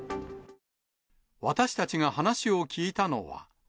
私たちが話を聞いたのは。